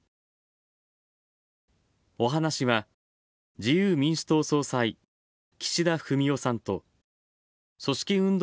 お話しは、自由民主党総裁岸田文雄さんと組織運動